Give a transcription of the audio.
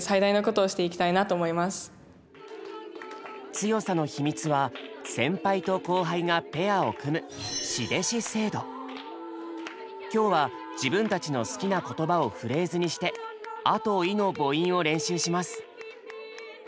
強さの秘密は先輩と後輩がペアを組む今日は自分たちの好きな言葉をフレーズにして「ア」と「イ」の母音を練習します。